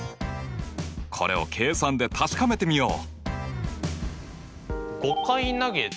これを計算で確かめてみよう。